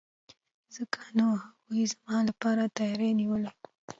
ځکه نو هغوی زما لپاره تیاری نیولی وو.